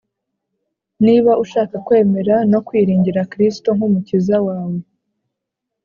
Niba ushaka kwemera no kwiringira Kristo nk'Umukiza wawe,